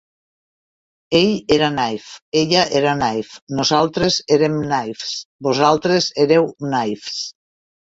Ell era naïf, ella era naïf, nosaltres érem naïfs, vosaltres éreu naïfs.